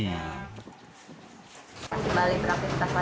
hari ini sudah boleh